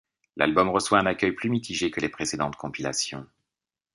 L'album reçoit un accueil plus mitigé que les précédentes compilations.